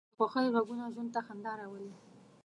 د خوښۍ غږونه ژوند ته خندا راولي